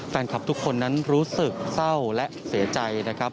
แฟนคลับทุกคนนั้นรู้สึกเศร้าและเสียใจนะครับ